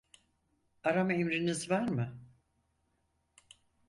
Arama emriniz var mı?